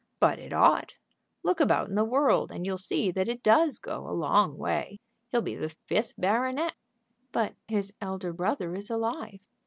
"But it ought. Look about in the world and you'll see that it does go a long way. He'd be the fifth baronet." "But his elder brother is alive."